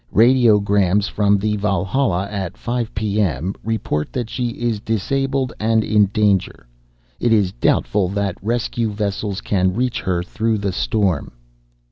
Radiograms from the Valhalla at 5 P. M. report that she is disabled and in danger. It is doubtful that rescue vessels can reach her through the storm."